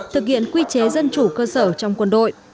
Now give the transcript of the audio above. thực hiện quy chế dân chủ cơ sở trong quân đội